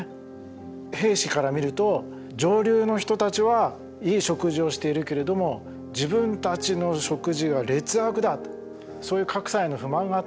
兵士から見ると上流の人たちはいい食事をしているけれども自分たちの食事は劣悪だとそういう格差への不満があったんですね。